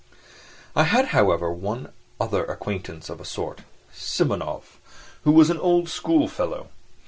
I had however one other acquaintance of a sort, Simonov, who was an old schoolfellow.